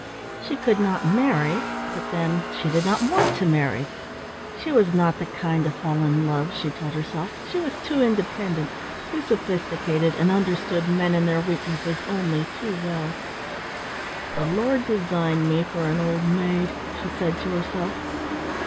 She could not marry, but then she did not want to marry. She was not the kind to fall in love, she told herself, she was too independent, too sophisticated, and understood men and their weaknesses only too well. "The Lord designed me for an old maid," she said to herself.